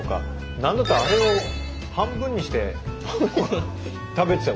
何だったらあれを半分にして食べてたよ